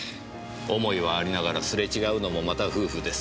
思いはありながらすれ違うのもまた夫婦です。